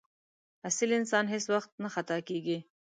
اصیل انسان هېڅ وخت نه خطا کېږي.